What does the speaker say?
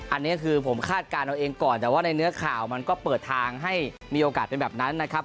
อันนี้คือผมคาดการณ์เอาเองก่อนแต่ว่าในเนื้อข่าวมันก็เปิดทางให้มีโอกาสเป็นแบบนั้นนะครับ